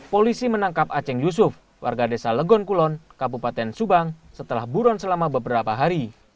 polisi menangkap aceng yusuf warga desa legon kulon kabupaten subang setelah buron selama beberapa hari